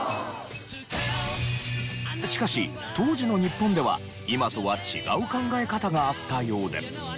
しかし当時の日本では今とは違う考え方があったようで。